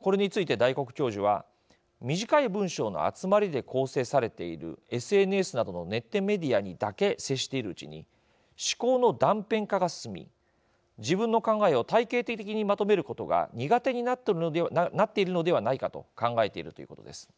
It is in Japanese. これについて大黒教授は短い文章の集まりで構成されているＳＮＳなどのネットメディアにだけ接しているうちに思考の断片化が進み自分の考えを体系的にまとめることが苦手になっているのではないかと考えているということです。